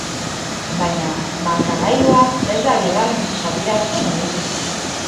Baina markagailua ez da bigarren zatira arte mugitu.